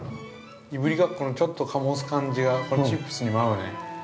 いぶりがっこのちょっと醸す感じがこのチップスにも合うね。